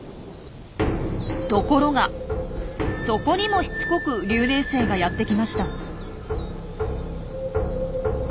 ところがそこにもしつこく留年生がやってきました。